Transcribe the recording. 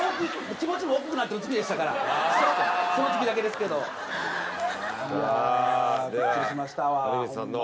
気持ちも大きくなってる月でしたからその月だけですけどビックリしましたわホンマ